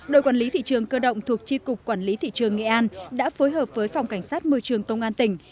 đội quản lý thị trường cơ động thuộc tri cục quản lý thị trường nghệ an đã phối hợp với phòng cảnh sát môi trường công an tỉnh